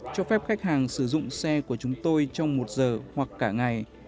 cho phép khách hàng sử dụng xe của chúng tôi trong một giờ hoặc cả ngày